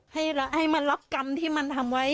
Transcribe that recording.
ให้มันรับกรรมที่มันทำไว้